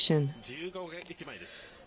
自由が丘駅前です。